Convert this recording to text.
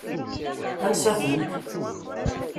Ansa-tent?